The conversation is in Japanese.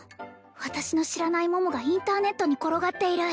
私の知らない桃がインターネットに転がっている